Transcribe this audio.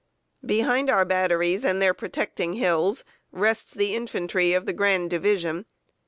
Behind our batteries and their protecting hills rests the infantry of the Grand Division.